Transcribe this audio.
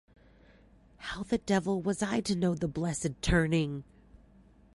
How the devil was I to know the blessed turning?